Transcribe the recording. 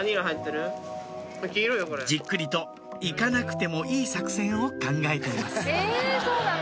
じっくりと行かなくてもいい作戦を考えていますえそうなの？